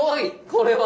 これは。